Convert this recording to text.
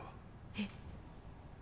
えっ？